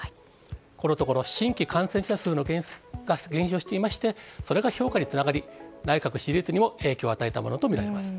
このところ新規感染者数も減少していまして、それが評価につながり、内閣支持率にも影響を与えたものと見られます。